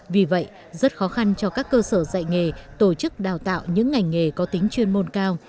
vì vậy rất khó khăn cho các cơ sở dạy nghề tổ chức đào tạo những ngành nghề có tính chuyên môn cao